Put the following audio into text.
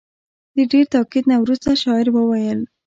د ډېر تاکید نه وروسته شاعر وویل.